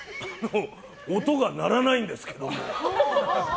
音が鳴らないんですけど。